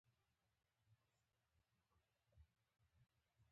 د فضایي لابراتوار تجربې روانې دي.